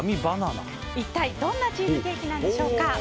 一体どんなチーズケーキなんでしょうか。